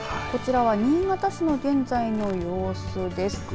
こちらは新潟市の現在の様子です。